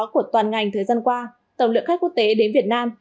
của toàn ngành thời gian qua tổng lượng khách quốc tế đến việt nam